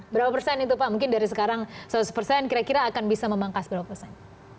berapa persen itu pak mungkin dari sekarang seratus persen kira kira akan bisa memangkas berapa persen